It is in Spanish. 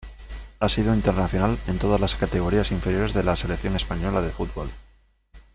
Ha sido internacional en todas las categorías inferiores de la Selección española de fútbol.